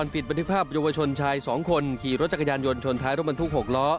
ปิดบันทึกภาพเยาวชนชาย๒คนขี่รถจักรยานยนต์ชนท้ายรถบรรทุก๖ล้อ